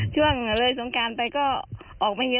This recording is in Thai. ช่วงเลยสงการไปก็ออกไม่เยอะ